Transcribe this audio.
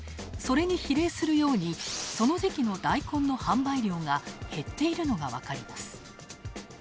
それに比例するようにその時期のダイコンの販売量が減っているのがわかります。